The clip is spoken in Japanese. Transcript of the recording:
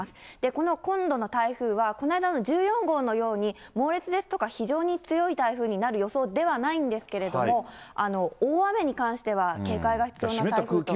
この今度の台風はこの間の１４号のように、猛烈ですとか、非常に強い台風になる予想ではないんですけれども、大雨に関しては警戒が必要な台風と。